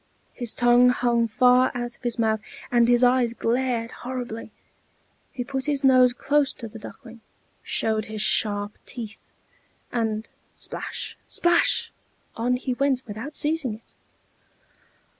His tongue hung far out of his mouth, and his eyes glared horribly. He put his nose close to the Duckling, showed his sharp teeth, and splash, splash! on he went without seizing it.